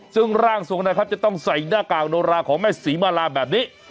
ซึ่งร่างทรงนะครับจะต้องใส่หน้ากากโนราของแม่ศรีมาลาแบบนี้